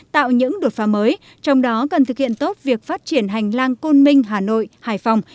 tạo những đột phá mới trong đó cần thực hiện tốt việc phát triển hành lang côn minh hà nội hải phòng